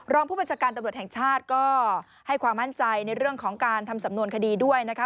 รองผู้บัญชาการตำรวจแห่งชาติก็ให้ความมั่นใจในเรื่องของการทำสำนวนคดีด้วยนะคะ